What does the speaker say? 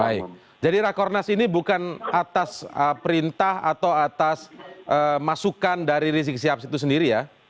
baik jadi rakornas ini bukan atas perintah atau atas masukan dari rizik sihab itu sendiri ya